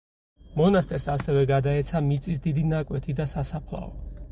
მონასტერს ასევე გადაეცა მიწის დიდი ნაკვეთი და სასაფლაო.